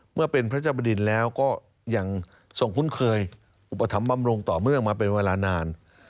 เมื่อเป็นพระเจ้าบดินแล้วก็ยังทรงคุ้นเคยอุปถัมภำรุงต่อเนื่องมาเป็นเวลานาน